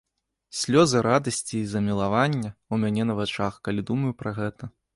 Слёзы радасці і замілавання ў мяне на вачах, калі думаю пра гэта.